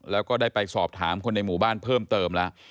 แล้วก็ได้ไปสอบถามคนในหมู่บ้านเพิ่มเติมแล้ว